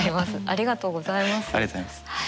ありがとうございます。